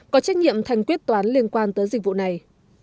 có trách nhiệm thành quyết toán liên quan tới dịch vụ này